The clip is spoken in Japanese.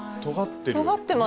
とがってる。